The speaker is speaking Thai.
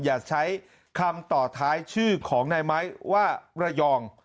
อย่าใช้คำต่อท้ายชื่อของนายไม้ว่าระยอง